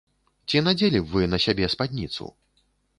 Ці надзелі б вы на сябе спадніцу?